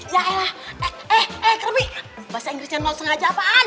ya ya eh eh eh kremi bahasa inggrisnya enggak sengaja apaan